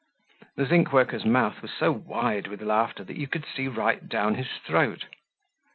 The zinc worker's mouth was so wide with laughter that you could see right down his throat.